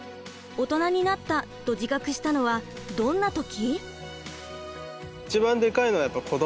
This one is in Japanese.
オトナになったと自覚したのはどんな時？